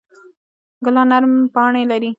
ګلان نرم پاڼې لري.